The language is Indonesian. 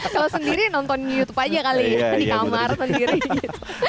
kalau sendiri nonton youtube aja kali ya di kamar sendiri gitu